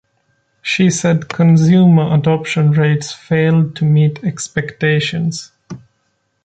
She said consumer adoption rates failed to meet expectations.